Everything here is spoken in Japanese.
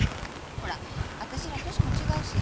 ほら私ら年も違うし。